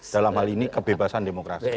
dalam hal ini kebebasan demokrasi